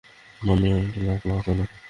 মানে, এক লাখ লস হলো।